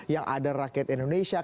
yang ada rakyat indonesia